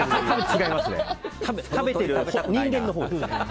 違います、食べてる人間のほう。